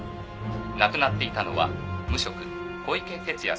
亡くなっていたのは無職小池哲也さん